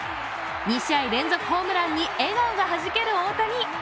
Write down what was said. ２試合連続ホームランに笑顔がはじける大谷。